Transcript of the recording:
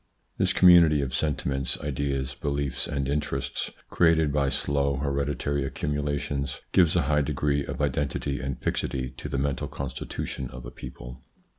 This community of sentiments, ideas, beliefs, and interests, created by slow, hereditary accumulations, gives a high degree of identity and fixity to the mental constitution of a people.